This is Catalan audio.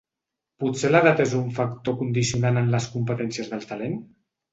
Potser l’edat és un factor condicionant en les competències del talent?